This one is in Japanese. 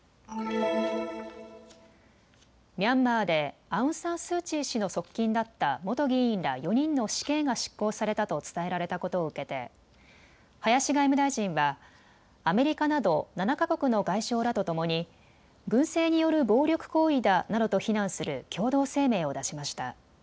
ミャンマーでアウン・サン・スー・チー氏の側近だった元議員ら４人の死刑が執行されたと伝えられたことを受けて林外務大臣はアメリカなど７か国の外相らとともに軍政による暴力行為だなどと非難する共同声明を出しました。